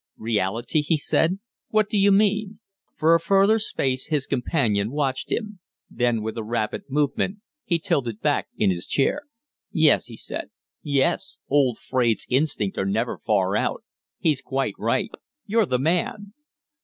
"Reality?" he said. "What do you mean?" For a further space his companion watched him; then with a rapid movement he tilted back his chair. "Yes," he said. "Yes; old Fraide's instincts are never far out. He's quite right. You're the man!"